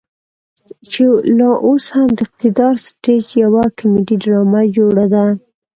چې لا اوس هم د اقتدار سټيج يوه کميډي ډرامه جوړه ده.